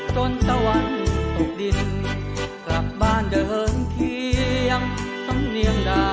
ตะวันตกดินกลับบ้านเดิมเคียงสำเนียงดา